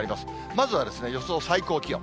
まずは予想最高気温。